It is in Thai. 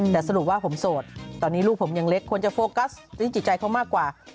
แต่สรุปว่าผมโสดตอนนี้ลูกผมยังเล็กควรจะโฟกัสเรื่องจิตใจเขามากกว่า